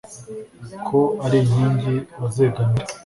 ko ari inkingi bazegamira